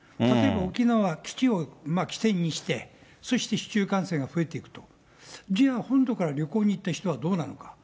例えば、沖縄は基地を起点にして、そして市中感染が増えていくと、じゃあ本土から旅行に行った人はどうなのか。